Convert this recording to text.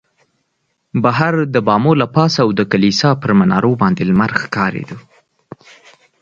بهر د بامو له پاسه او د کلیسا پر منارو باندې لمر ښکارېده.